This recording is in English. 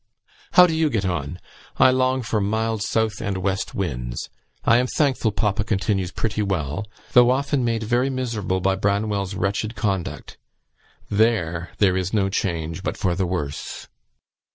How do you get on? I long for mild south and west winds. I am thankful papa continues pretty well, though often made very miserable by Branwell's wretched conduct. There there is no change but for the worse."